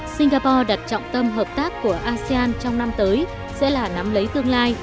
singapore đặt trọng tâm hợp tác của asean trong năm tới sẽ là nắm lấy tương lai